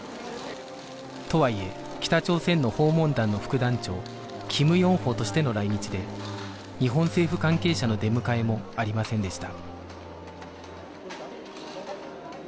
とはいえ北朝鮮の訪問団の副団長金英浩としての来日で日本政府関係者の出迎えもありませんでした